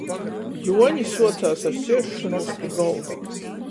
Juoni suocās ar siesšonūs pi golda.